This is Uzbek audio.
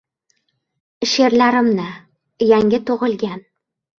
She’rlarimni – yangi tug‘ilgan.